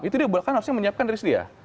itu dia golkar harusnya menyiapkan dari sedia